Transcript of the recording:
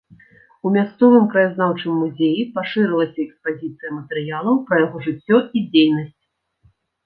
У мясцовым краязнаўчым музеі пашырылася экспазіцыя матэрыялаў пра яго жыццё і дзейнасць.